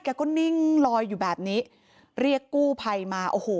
แกก็นิ่งลอยอยู่แบบนี้เรียกกู้ภัยมาโอ้โห